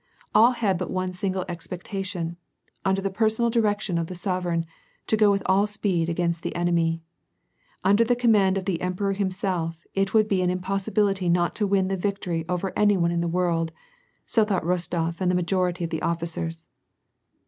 All had but one single expectation : under the personal direction of the sovereign, to go with all speed against the enemy. Under the command of the emperor himself, it would be an impossibility not to win the victory over any one in the world : so thought Rostof and the majority of the officers.